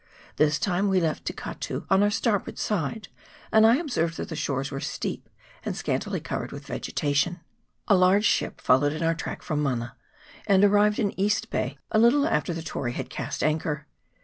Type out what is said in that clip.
This time we left Te Katu on our starboard side, and I observed that the shores were steep and scantily covered with vegetation. A large ship followed in our track from Mana, and arrived in East Bay a little after the Tory had cast anchor.